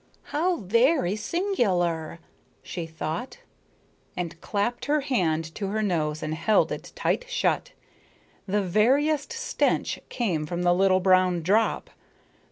"How very singular," she thought and clapped her hand to her nose and held it tight shut. The veriest stench came from the little brown drop.